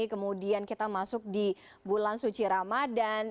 kemudian kita masuk di bulan suci ramadan